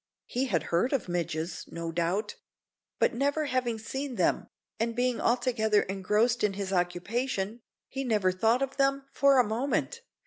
He had heard of midges, no doubt; but never having seen them, and being altogether engrossed in his occupation, he never thought of them for a moment.